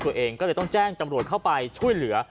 ตัวเองก็เลยต้องแจ้งจำรวจเข้าไปช่วยเหลือ